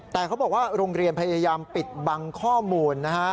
แต่เขาบอกว่าโรงเรียนพยายามปิดบังข้อมูลนะฮะ